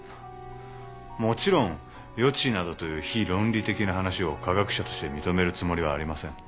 もちろん「予知」などという非論理的な話を科学者として認めるつもりはありません。